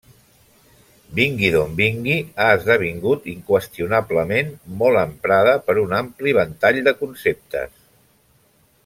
Vingui d'on vingui, ha esdevingut inqüestionablement molt emprada per un ampli ventall de conceptes.